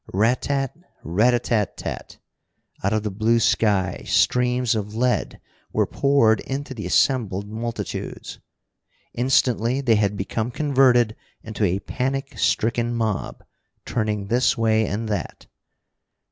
Rat tat, rat a tat tat! Out of the blue sky streams of lead were poured into the assembled multitudes. Instantly they had become converted into a panic stricken mob, turning this way and that.